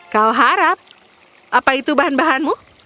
kau harap apa itu bahan bahanmu